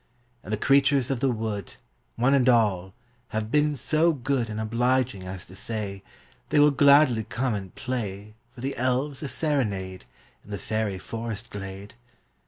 And the creatures of the wood, One and all, have been so good And obliging as to say, They will gladly come and play For the elves a serenade, In the fairy forest glade.